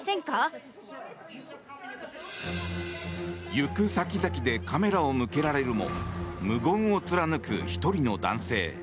行く先々でカメラを向けられるも無言を貫く１人の男性。